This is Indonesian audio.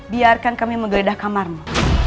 biarkan kami menggeledah kamarmu